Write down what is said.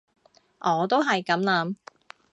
我都係噉諗